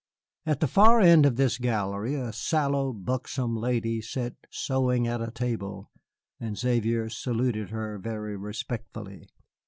At the far end of this gallery a sallow, buxom lady sat sewing at a table, and Xavier saluted her very respectfully.